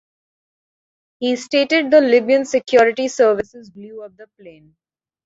He stated The Libyan security services blew up the plane.